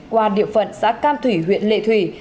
qua địa phận xã cam thủy huyện lệ thủy